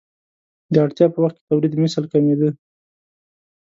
د اړتیا په وخت کې تولیدمثل کمېده.